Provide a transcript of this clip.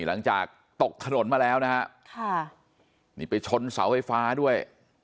หลังจากตกถนนมาแล้วนะฮะค่ะนี่ไปชนเสาไฟฟ้าด้วย